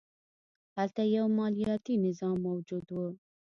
هلته یو مالیاتي نظام موجود و